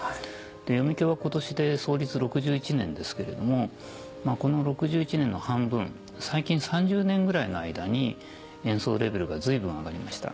読響は今年で創立６１年ですけれどもこの６１年の半分最近３０年ぐらいの間に演奏レベルが随分上がりました。